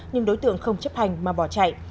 nhưng đối tượng không chấp hành mà bỏ chạy